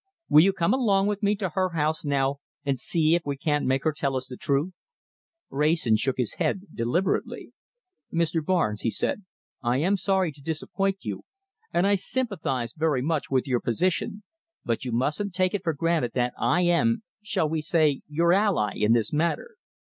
Will you come along with me to her house now, and see if we can't make her tell us the truth?" Wrayson shook his head deliberately. "Mr. Barnes," he said, "I am sorry to disappoint you, and I sympathize very much with your position, but you mustn't take it for granted that I am, shall we say, your ally in this matter.